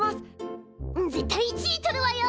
絶対１位取るわよ！